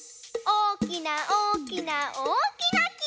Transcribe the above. おおきなおおきなおおきなき！